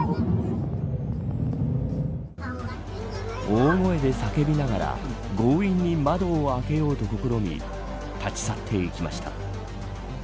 大声で叫びながら強引に窓を開けようと試み立ち去っていきました。